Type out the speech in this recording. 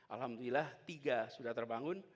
alhamdulillah tiga sudah terbangun